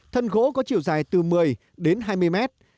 thân gỗ có chiều dài từ một mươi đến hai mươi mét